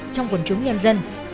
trong quân chúng nhân dân